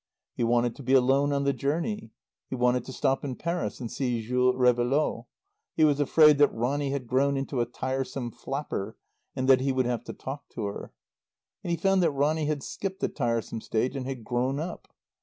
He wanted to be alone on the journey. He wanted to stop in Paris and see Jules Réveillaud. He was afraid that Ronny had grown into a tiresome flapper and that he would have to talk to her. And he found that Ronny had skipped the tiresome stage and had grown up.